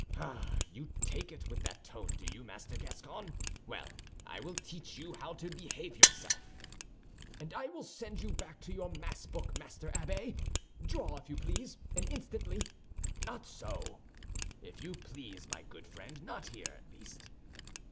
"Ah, you take it with that tone, do you, Master Gascon? Well, I will teach you how to behave yourself." "And I will send you back to your Mass book, Master Abbé. Draw, if you please, and instantly—" "Not so, if you please, my good friend—not here, at least.